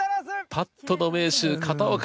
パットの名手・片岡。